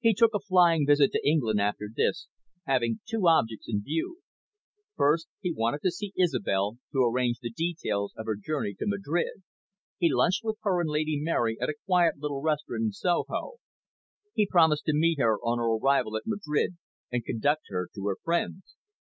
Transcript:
He took a flying visit to England after this, having two objects in view. First, he wanted to see Isobel to arrange the details of her journey to Madrid. He lunched with her and Lady Mary at a quiet little restaurant in Soho. He promised to meet her on her arrival at Madrid and conduct her to her friends.